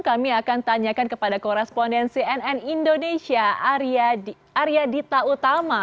kami akan tanyakan kepada korespondensi nn indonesia arya dita utama